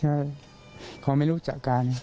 ใช่เขาไม่รู้จักกัน